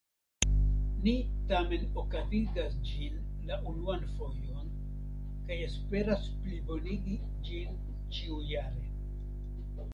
Ni tamen okazigas ĝin la unuan fojon kaj esperas plibonigi ĝin ĉiujare!